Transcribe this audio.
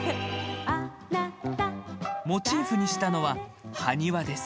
モチーフにしたのは埴輪です。